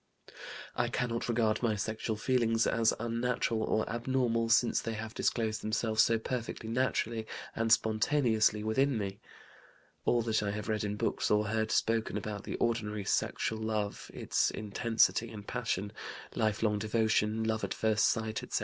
"I cannot regard my sexual feelings as unnatural or abnormal, since they have disclosed themselves so perfectly naturally and spontaneously within me. All that I have read in books or heard spoken about the ordinary sexual love, its intensity and passion, lifelong devotion, love at first sight, etc.